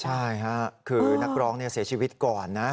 ใช่ค่ะคือนักร้องเสียชีวิตก่อนนะ